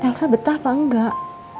elsa betah apa enggak